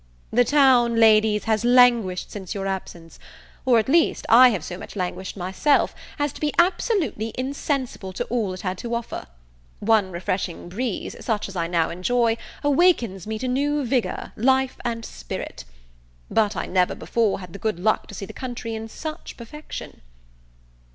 "The town, Ladies, has languished since your absence; or, at least, I have so much languished myself, as to be absolutely insensible to all it had to offer. One refreshing breeze, such as I now enjoy, awakens me to new vigour, life, and spirit. But I never before had the good luck to see the country in such perfection."